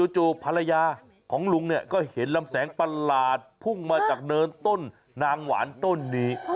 ภรรยาของลุงเนี่ยก็เห็นลำแสงประหลาดพุ่งมาจากเนินต้นนางหวานต้นนี้